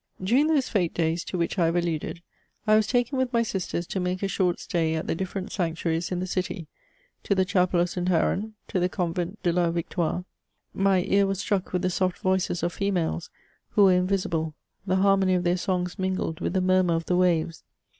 During those f^te days to which I have alluded, I was taken with my sisters to make a short stay at the different sanctuaries in the city, to the Chapel of St. Aaron, to the Convent de la Victoire ; mv ear was struck with the soft voices of females, who were invisible ; the harmony of their songs mingled with the murmur of the waves.